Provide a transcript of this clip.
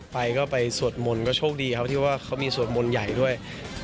ไปก็ไปสวดมนต์ก็โชคดีครับที่ว่าเขามีสวดมนต์ใหญ่ด้วย